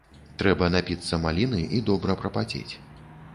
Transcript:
Трэба напіцца маліны і добра прапацець.